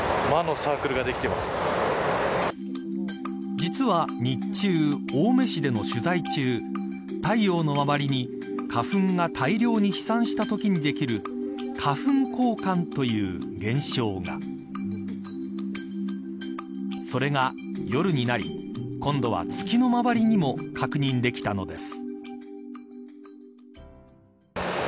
実は日中、青梅市での取材中太陽の周りに花粉が大量に飛散したときにできる花粉光環という現象がそれが夜になり今度は月の周りにも確認できたのです。